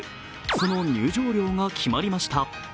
その入場料が決まりました。